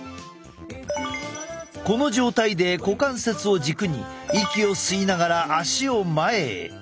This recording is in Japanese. この状態で股関節を軸に息を吸いながら足を前へ。